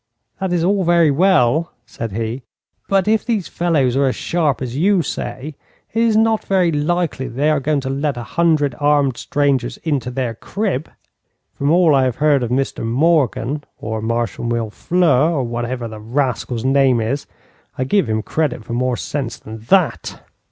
'That is all very well,' said he, 'but if these fellows are as sharp as you say, it is not very likely that they are going to let a hundred armed strangers into their crib. From all I have heard of Mr Morgan, or Marshal Millefleurs, or whatever the rascal's name is, I give him credit for more sense than that.'